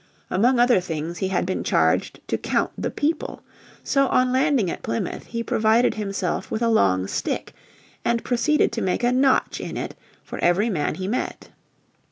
Among other things he had been charged to count the people! So on landing at Plymouth he provided himself with a long stick and proceeded to make a notch in it for every man he met.